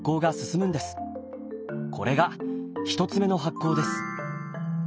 これが１つ目の発酵です。